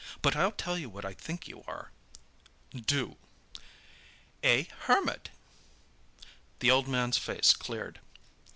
"But I'll tell you what I think you are." "Do." "A hermit!" The old man's face cleared.